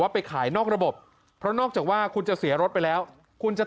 ไปขายนอกระบบเพราะนอกจากว่าคุณจะเสียรถไปแล้วคุณจะ